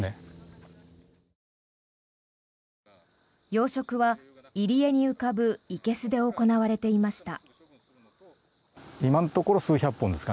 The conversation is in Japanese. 養殖は入り江に浮かぶいけすで行われていました。